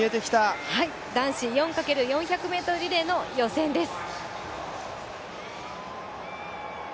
男子４×４００ｍリレーの予選です。